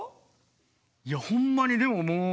いやほんまにでももう。